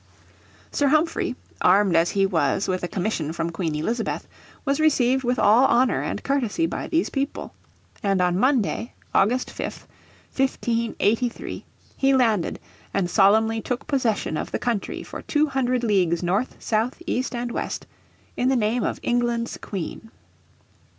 Sir Humphrey, armed as he was with a commission from Queen Elizabeth, was received with all honour and courtesy by these people. And on Monday, August 5th, 1583, he landed and solemnly took possession of the country for two hundred leagues north, south, east and west, in the name of England's Queen.